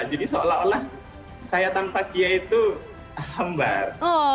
jadi seolah olah saya tanpa kia itu hambar